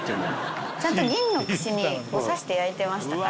ちゃんと銀の串に刺して焼いてましたから。